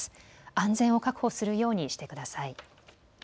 安全を確保するようにしてください。